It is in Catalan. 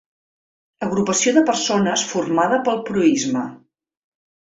Agrupació de persones formada pel proïsme.